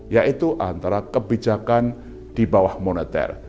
yaitu antara kebijakan di bawah moneter